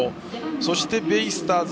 そしてベイスターズ